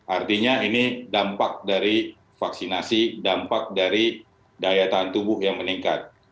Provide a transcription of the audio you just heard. artinya ini dampak dari vaksinasi dampak dari daya tahan tubuh yang meningkat